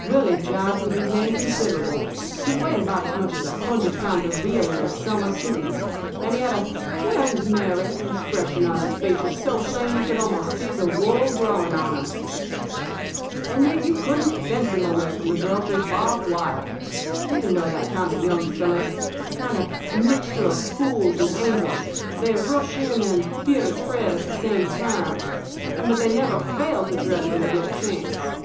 "Willie jibed with his name considerable. He weighed about as much as a hundred pounds of veal in his summer suitings, and he had a 'Where is Mary?' expression on his features so plain that you could almost see the wool growing on him. "And yet you couldn't fence him away from the girls with barbed wire. You know that kind of young fellows a kind of a mixture of fools and angels they rush in and fear to tread at the same time; but they never fail to tread when they get the chance.